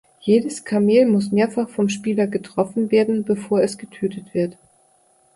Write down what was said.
Jedes Kamel muss mehrfach vom Spieler getroffen werden, bevor es getötet wird.